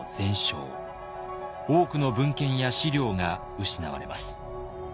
多くの文献や資料が失われます。